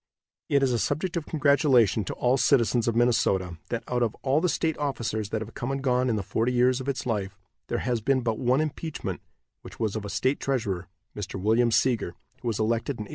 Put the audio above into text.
It is a subject of congratulation to all citizens of Minnesota that, out of all the state officers that have come and gone in the forty years of its life, there has been but one impeachment, which was of a state treasurer, Mr. William Seeger, who was elected in 1871.